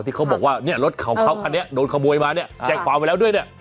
ที่เขาบอกว่ารถของเขาอันนี้โดนขโมยมาเนี่ยแจกความมาแล้วด้วยเนี่ย